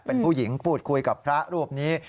เป็นผู้หญิงพูดคุยกับพระรูปนี้